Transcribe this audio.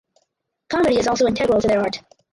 Comedy is also integral to their art.